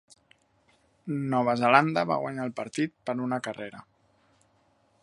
Nova Zelanda va guanyar el partit per una carrera.